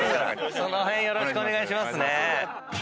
その辺よろしくお願いしますね。